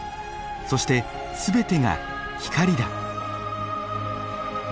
そして全てが光だ」。